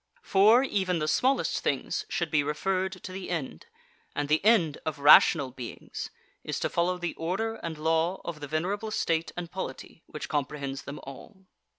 For, even the smallest things should be referred to the end, and the end of rational beings is to follow the order and law of the venerable state and polity which comprehends them all.